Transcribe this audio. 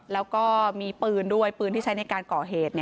แล้วก็มีปืนด้วยปืนที่ใช้ในการก่อเหตุ